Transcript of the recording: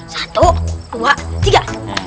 satu dua tiga